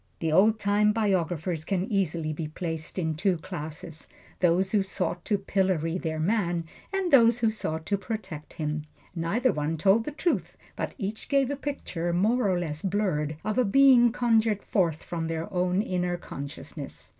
The old time biographers can easily be placed in two classes: those who sought to pillory their man, and those who sought to protect him. Neither one told the truth; but each gave a picture, more or less blurred, of a being conjured forth from their own inner consciousness.